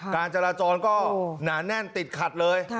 การจราจรก็หนาแน่นติดขัดเลย